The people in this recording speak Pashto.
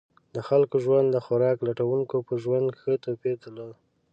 د خلکو ژوند د خوراک لټونکو په ژوند ښه توپیر درلود.